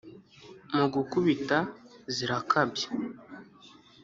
Mu gukubita zirakabya,